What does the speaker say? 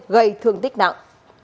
gây thương tích nặng